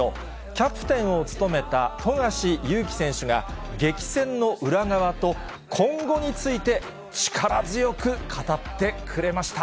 キャプテンを務めた富樫勇樹選手が、激戦の裏側と今後について力強く語ってくれました。